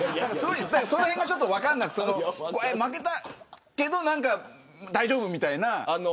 その辺がちょっと分からなくて負けたけど大丈夫みたいな。